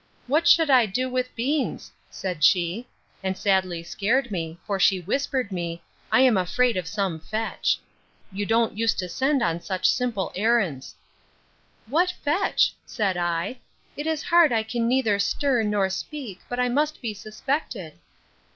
What should I do with beans? said she,—and sadly scared me; for she whispered me, I am afraid of some fetch! You don't use to send on such simple errands.—What fetch? said I: It is hard I can neither stir, nor speak, but I must be suspected.